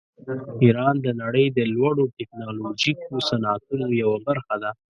ایران د نړۍ د لوړو ټیکنالوژیکو صنعتونو یوه برخه ده.